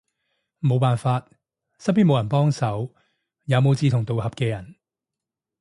無辦法，身邊無人幫手，也無志同道合嘅人